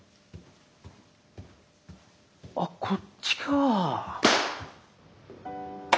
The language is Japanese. あっこっちか。